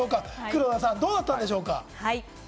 黒田さん、どうだったんでしょうか！